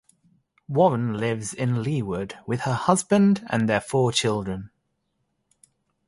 Warren lives in Leawood with her husband and their four children.